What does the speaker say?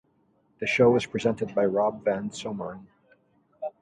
The show is presented by Rob van Someren.